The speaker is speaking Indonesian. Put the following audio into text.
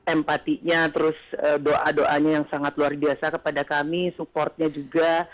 empatinya terus doa doanya yang sangat luar biasa kepada kami supportnya juga